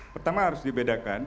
pertama harus dibedakan